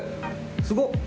すごっ！